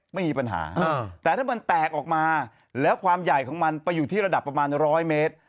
ไม่มีปัญหาแต่ถ้ามันแตกออกมาแล้วความใหญ่ของมันไปอยู่ที่ระดับประมาณ๑๐๐เมตร